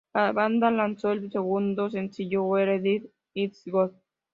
La banda lanzó el segundo sencillo "Where Did It Go?